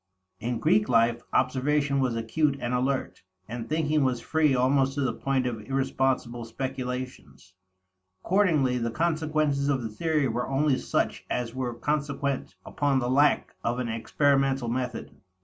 In Greek life, observation was acute and alert; and thinking was free almost to the point of irresponsible speculations. Accordingly the consequences of the theory were only such as were consequent upon the lack of an experimental method.